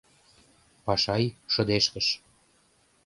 — Пашай шыдешкыш.